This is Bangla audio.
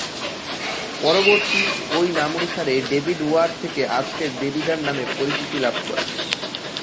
পরবর্তীতে ওই নামানুসারে ডেভিড ওয়ার থেকে আজকের দেবিদ্বার নামে পরিচিতি লাভ করে।